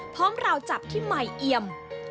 พร้อมราวจับที่ไม่เอี่ยม